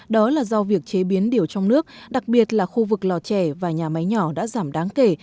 đó là do việc chế biến điều trong nước đặc biệt là khu vực lò trẻ và nhà máy nhỏ đã giảm đáng kể